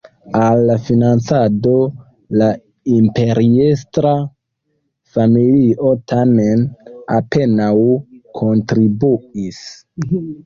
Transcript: Al la financado la imperiestra familio tamen apenaŭ kontribuis.